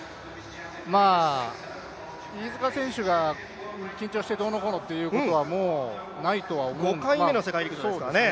まあ、飯塚選手が緊張してどうのこうのということはもうないと思うんですが、５回目の世界陸上ですからね。